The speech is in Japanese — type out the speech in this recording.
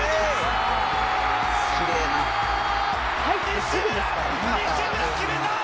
西村決めた！